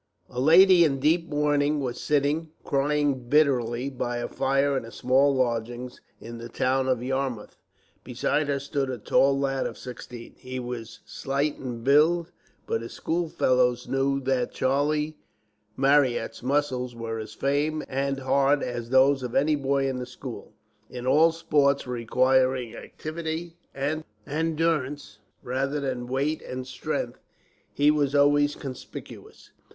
A lady in deep mourning was sitting, crying bitterly, by a fire in small lodgings in the town of Yarmouth. Beside her stood a tall lad of sixteen. He was slight in build, but his schoolfellows knew that Charlie Marryat's muscles were as firm and hard as those of any boy in the school. In all sports requiring activity and endurance, rather than weight and strength, he was always conspicuous.